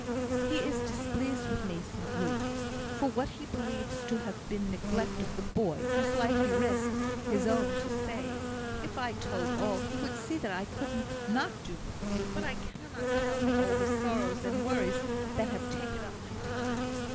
"He is displeased with me," thought Ruth, "for what he believes to have been neglect of the boy, whose life he risked his own to save. If I told all, he would see that I could not do more; but I cannot tell him all the sorrows and worries that have taken up my time."